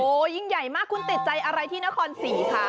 โอ้โหยิ่งใหญ่มากคุณติดใจอะไรที่นครศรีคะ